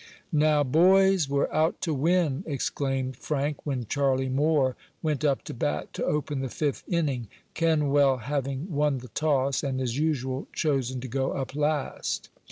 "Now, boys, we're out to win!" exclaimed Frank, when Charlie Moore went up to bat to open the fifth inning, Kenwell having won the toss, and, as usual, chosen to go up last.